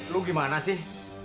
lu gimana sih